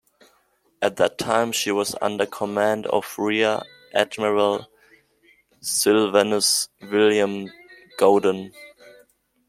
At that time, she was under command of Rear Admiral Sylvanus William Godon.